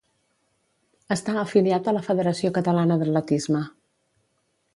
Està afiliat a la Federació Catalana d'Atletisme.